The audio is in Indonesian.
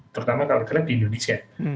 terutama kalau kita lihat di indonesia